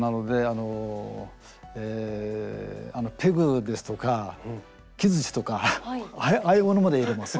あのペグですとか木づちとかああいうものまで入れます。